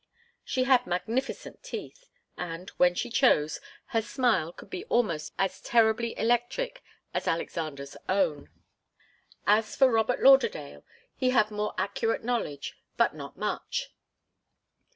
She had magnificent teeth, and, when she chose, her smile could be almost as terribly electric as Alexander's own. As for Robert Lauderdale, he had more accurate knowledge, but not much.